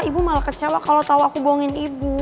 ibu malah kecewa kalo tau aku bohongin ibu